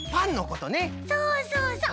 そうそうそう。